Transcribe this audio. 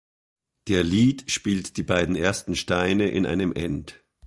Der Lead spielt die beiden ersten Steine in einem End.